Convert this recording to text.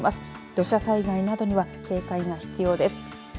土砂災害などには警戒が必要です。